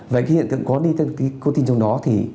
vậy khi hiện tượng có nicotine trong đó thì